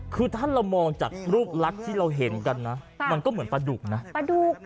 คือถ้าเรามองจากรูปลักษณ์ที่เราเห็นกันนะมันก็เหมือนปลาดุกนะปลาดุก